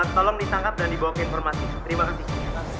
tolong ditangkap dan dibawa ke informasi terima kasih